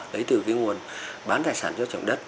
đấy từ nguồn bán tài sản cho trọng đất